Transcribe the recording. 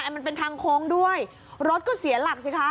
มันเป็นทางโค้งด้วยรถก็เสียหลักสิคะ